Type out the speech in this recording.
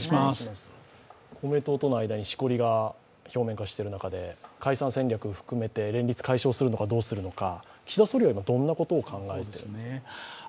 公明党との間にしこりが表面化している中で解散戦略を含めて連立解消するのかどうするのか、岸田総理は今どんなことを考えているんでしょうか。